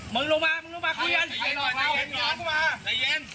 มึงลงมามึงลงมาคุยกัน